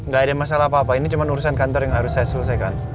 gak ada masalah apa apa ini cuma urusan kantor yang harus saya selesaikan